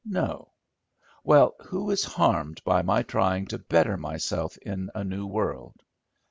No. Well, who is harmed by my trying to better myself in a new world?